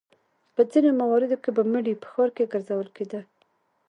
په ځینو مواردو کې به مړی په ښار کې ګرځول کېده.